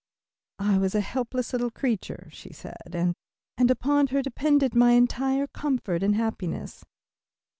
"I was a helpless little creature," she said, "and upon her depended my entire comfort and happiness."